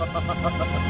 ayolah ikut aku